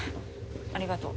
ありがとう。